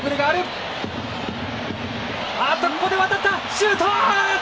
シュート！